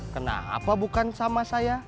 kenapa bukan sama saya